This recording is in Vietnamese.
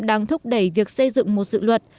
đang thúc đẩy việc xây dựng một dự luật